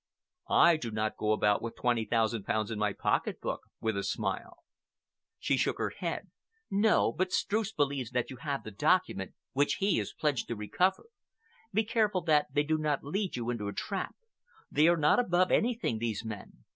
"I do not go about with twenty thousand pounds in my pocket book," with a smile. She shook her head. "No, but Streuss believes that you have the document which he is pledged to recover. Be careful that they do not lead you into a trap. They are not above anything, these men.